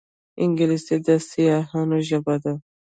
انګلیسي د سیاحانو ژبه ده